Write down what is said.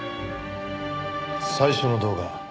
最初の動画。